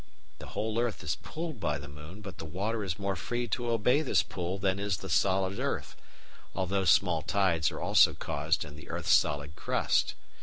The whole earth is pulled by the moon, but the water is more free to obey this pull than is the solid earth, although small tides are also caused in the earth's solid crust.